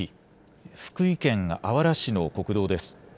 福井県あわら市の国道です。